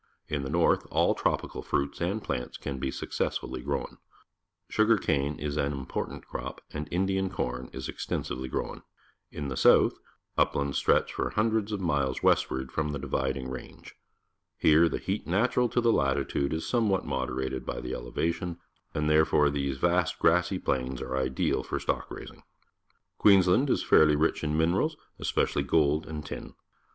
In the north, all trop ical fruits and plants can be successfully NEW ZEALAND 245 grown. Siigaiicane is an important crop, and I ndian cor n is extensively grown. In the south, uplands stretch for hundreds of Merino Sheep, Australia Each clip yields about nine pounds of wool. miles westward from the Dividing Range. Here the heat natural to the latitude is somewhat moderated by the elevation, and therefore these vast grassy plains are ideal for stock raising. Queensland is fairly rich in minerals, especially gold_and tin.